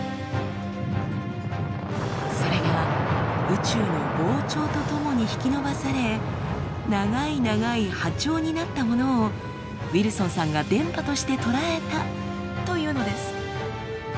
それが宇宙の膨張とともに引き伸ばされ長い長い波長になったものをウィルソンさんが電波として捉えたというのです。